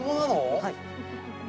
はい。